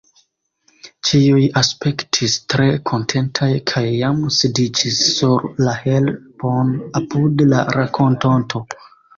Ĉiuj aspektis tre kontentaj kaj jam sidiĝis sur la herbon apud la rakontonto.